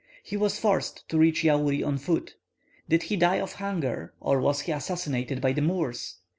He was forced to reach Yaouri on foot. Did he die of hunger, or was he assassinated by the Moors?